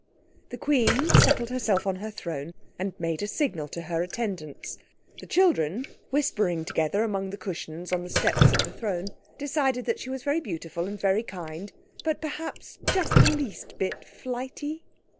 The Queen settled herself on her throne and made a signal to her attendants. The children, whispering together among the cushions on the steps of the throne, decided that she was very beautiful and very kind, but perhaps just the least bit flighty.